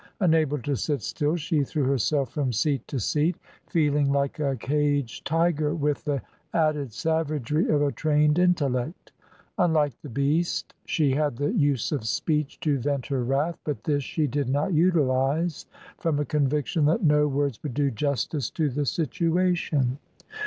Unable to sit still, she threw herself from seat to seat, feeling like a caged tiger, with the added savagery of a trained intellect. Unlike the beast, she had the use of speech to vent her wrath, but this she did not utilise from a conviction that no words would do justice to the situation.